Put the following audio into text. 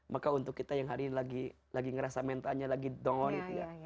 maka untuk kita yang hari ini lagi ngerasa mentalnya lagi down gitu ya